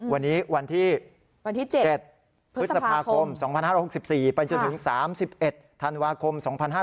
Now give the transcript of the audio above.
วันนี้วันที่๗พฤษภาคม๒๕๖๔ไปจนถึง๓๑ธันวาคม๒๕๕๙